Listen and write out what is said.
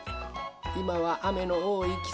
いまはあめのおおいきせつ。